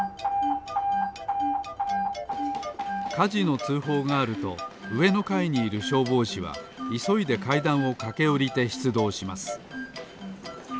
かじのつうほうがあるとうえのかいにいるしょうぼうしはいそいでかいだんをかけおりてしゅつどうします。